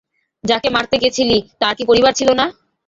যাকে মারতে গেছিলি, তার কি পরিবার ছিল না?